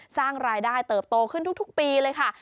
สร้างรายได้เติบโตขึ้นทุกปีเลยค่ะ